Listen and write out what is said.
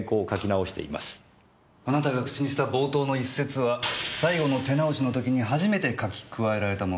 あなたが口にした冒頭の一節は最後の手直しの時に初めて書き加えられたものだった。